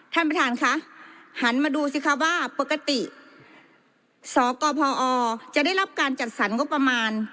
ท่านประธานค่ะหันมาดูสิคะว่าปกติสกพอจะได้รับการจัดสรรงบประมาณ